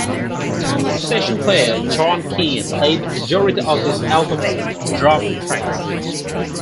Session player John Keane played the majority of this album's drum tracks.